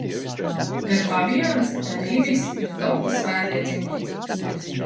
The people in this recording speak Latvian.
Gan paviāns, gan ibiss ir Tota svētie dzīvnieki.